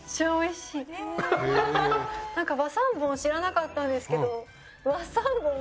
なんか和三盆知らなかったんですけど。